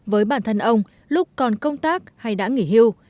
với bản thân ông lúc còn công tác hay đã nghỉ hưu